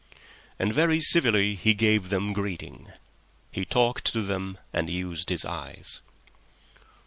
And very civilly he gave them greeting. He talked to them and used his eyes.